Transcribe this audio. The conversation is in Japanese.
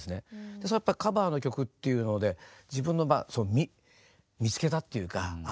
それやっぱカバーの曲っていうので自分のまあ見つけたっていうかあ